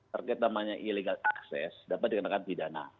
terkait namanya ilegal akses dapat dikenakan pidana